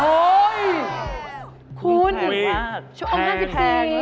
โอ้วคุณชะอม๕๔แพงมาก